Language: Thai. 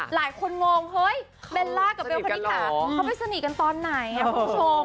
หลายคนงงเฮ้ยเบลล่ากับเบลคณิตหาเขาไปสนิทกันตอนไหน